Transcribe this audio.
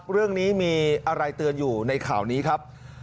เรื่องนี้มีอะไรเตือนอยู่ในข่าวนี้ครับ